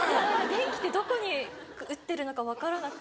電気ってどこに売ってるのか分からなく。